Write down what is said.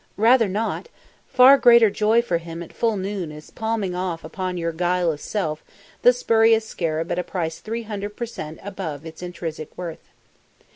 Rather not! Far greater joy for him at full noon is palming off upon your guileless self the spurious scarab at a price 300% above its intrinsic worth.